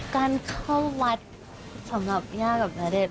การเข้าวัดสำหรับย่ากับณเดชน